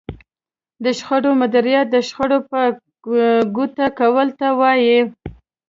د شخړې مديريت د شخړې په ګوته کولو ته وايي.